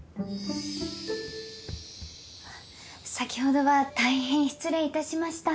先ほどは大変失礼いたしました。